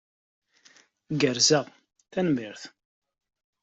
Gerzeɣ, tanemmirt.